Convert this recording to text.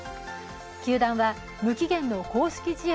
球団は無期限の公式試合